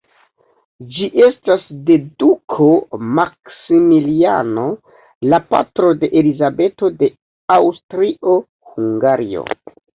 Ĝi estas de duko Maksimiliano, la patro de Elizabeto de Aŭstrio-Hungario.